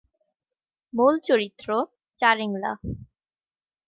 মূল চরিত্র চারেংলা।